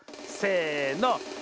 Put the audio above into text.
せの。